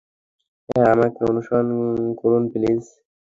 হ্যাঁ - আমাকে অনুসরণ করুন প্লিজ।